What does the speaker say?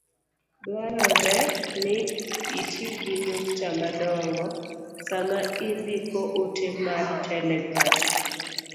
Dwarore ni iti gi nyukta madongo sama indiko ote mar telegram.